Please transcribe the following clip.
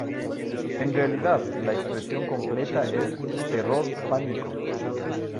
En realidad, la expresión completa es "terror pánico".